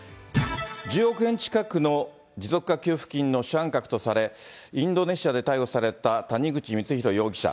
１０億円近くの持続化給付金の主犯格とされ、インドネシアで逮捕された谷口光弘容疑者。